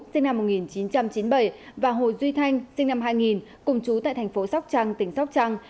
sinh năm một nghìn chín trăm chín mươi bảy và hồ duy thanh sinh năm hai nghìn cùng chú tại thành phố sóc trăng tỉnh sóc trăng